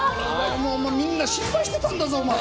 もうもうみんな心配してたんだぞお前。